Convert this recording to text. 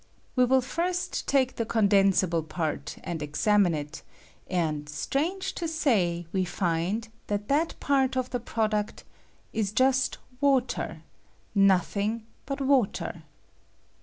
We will first take the condensable part, and examine it, and, strange to say, we find that that part of the product is just water — nothing but water.